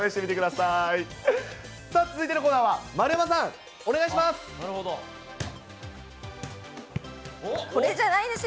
さあ続いてのコーナーは、丸山さん、お願いします。